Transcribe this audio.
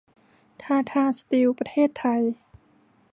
ทาทา สตีล ประเทศไทย